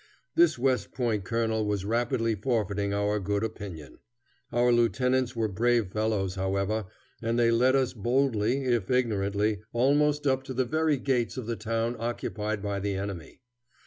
This West Point colonel was rapidly forfeiting our good opinion. Our lieutenants were brave fellows, however, and they led us boldly if ignorantly, almost up to the very gates of the town occupied by the enemy.